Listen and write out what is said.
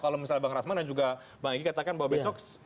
kalau misalnya bang rasman dan juga bang egy katakan bahwa besok